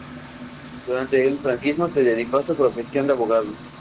Durante el franquismo se dedicó a su profesión de abogado.